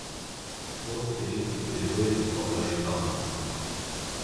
Poste li ekdeĵoris por la ŝtato.